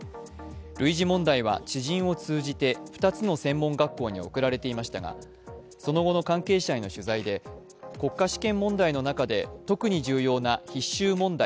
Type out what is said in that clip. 類似問題は知人を通じて２つの専門学校に送られていましたがその後の関係者への取材で国家試験問題の中で特に重要な必修問題